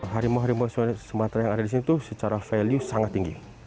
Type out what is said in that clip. harimau harimau sumatera yang ada di sini itu secara value sangat tinggi